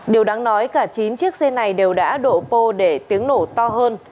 điều đáng nói cả chín chiếc xe này đều đã độ pô để tiếng nổ to hơn